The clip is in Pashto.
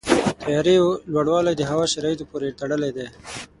د طیارې لوړوالی د هوا شرایطو پورې تړلی دی.